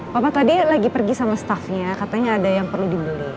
bapak tadi lagi pergi sama staffnya katanya ada yang perlu dibeli